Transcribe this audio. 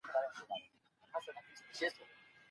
په قلم لیکنه کول د پوهي د ترلاسه کولو تر ټولو ریښتینې لاره ده.